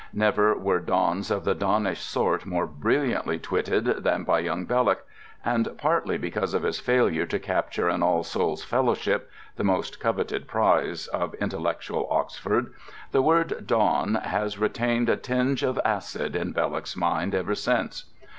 Never were dons of the donnish sort more brilliantly twitted than by young Belloc. And, partly because of his failure to capture an All Souls fellowship (the most coveted prize of intellectual Oxford) the word "don" has retained a tinge of acid in Belloc's mind ever since.